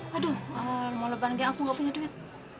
aduh mau lebarin aku gak punya duit